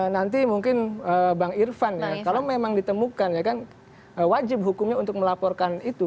nanti mungkin bang irfan ya kalau memang ditemukan ya kan wajib hukumnya untuk melaporkan itu